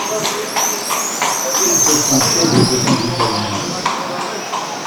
Ils se sont fait des copains italiens.